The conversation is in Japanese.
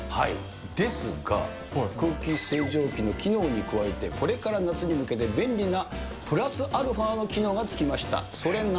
ですが、空気清浄機の機能に加えてこれから夏に向けて便利なプラスアルファの機能が付きました。